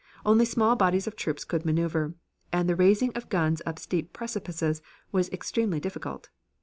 Only small bodies of troops could maneuver, and the raising of guns up steep precipices was extremely difficult.